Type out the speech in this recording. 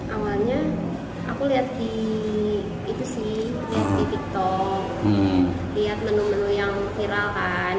awalnya aku lihat di itu sih tiktok lihat menu menu yang viral kan